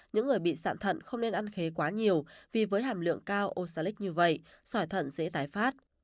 những người bị sạn thận không nên ăn khế quá nhiều vì với hàm lượng cao osalic như vậy sỏi thận dễ tái phát